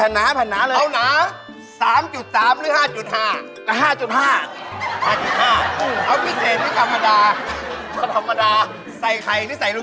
เอาแผ่นหนึ่งถ้ายังไม่ไหวแล้ว